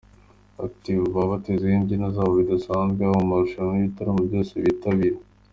Active baba bitezweho imbyino zabo bidasanzwe haba mu marushanwa n’ibitaramo byose bitabira.